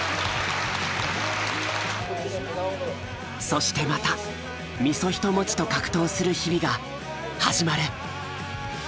そしてまた三十一文字と格闘する日々が始まる。